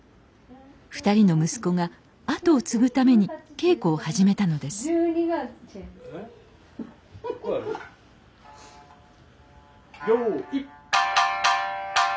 ２人の息子が跡を継ぐために稽古を始めたのですよい。